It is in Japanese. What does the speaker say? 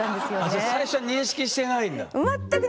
じゃあ最初認識してないんだ。